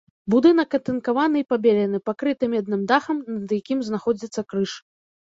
Будынак атынкаваны і пабелены, пакрыты медным дахам, над якім знаходзіцца крыж.